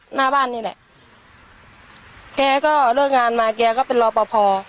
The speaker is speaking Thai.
หน้าบ้านนี่แหละแกก็เลิกงานมาแกก็เป็นรอปภ